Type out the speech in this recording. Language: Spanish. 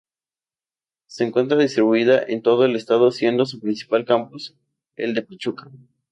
Se encuentra distribuida en todo el estado, siendo su principal campus el de Pachuca.